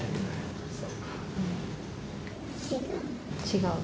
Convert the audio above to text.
違う。